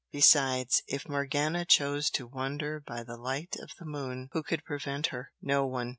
Besides, if Morgana chose to "wander by the light of the moon" who could prevent her? No one!